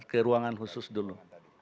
kruangan khusus dulu